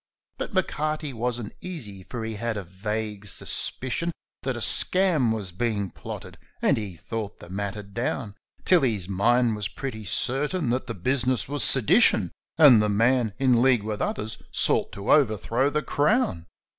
But M'Carty wasn't easy, for he had a vague suspicion That a ' skame ' was being plotted ; and he thought the matter down Till his mind was pretty certain that the business was sedition, And the man, in league with others, sought to overthrow the Crown.